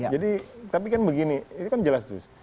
jadi tapi kan begini ini kan jelas tuh